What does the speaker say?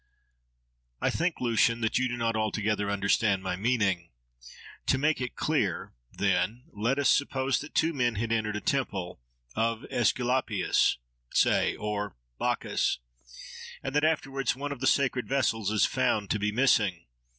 —I think, Lucian! that you do not altogether understand my meaning. To make it clear, then, let us suppose that two men had entered a temple, of Aesculapius,—say! or Bacchus: and that afterwards one of the sacred vessels is found to be missing.